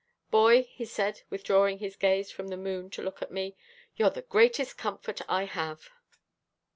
"Boy," he said, withdrawing his gaze from the moon to look at me, "you're the greatest comfort I have."